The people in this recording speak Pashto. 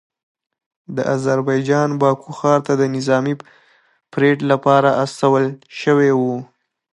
د اذربایجان باکو ښار ته د نظامي پریډ لپاره استول شوي وو